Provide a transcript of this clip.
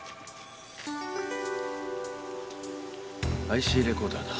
ＩＣレコーダーだ。